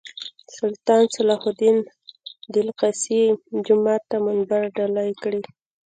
سلطان صلاح الدین د الاقصی جومات ته منبر ډالۍ کړی.